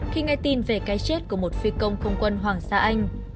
khi nghe tin về cái chết của một phi công không quân hoàng gia anh